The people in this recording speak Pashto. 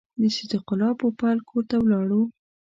د صدیق الله پوپل کور ته ولاړو.